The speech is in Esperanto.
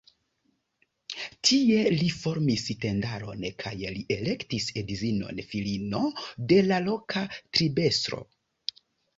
Tie li formis tendaron kaj li elektis edzinon filino de la loka tribestro.